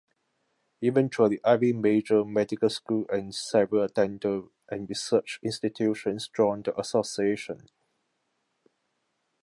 Eventually every major medical school and several dental and research institutions joined the association.